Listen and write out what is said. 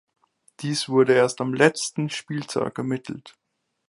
Dies wurde erst am letzten Spieltag ermittelt.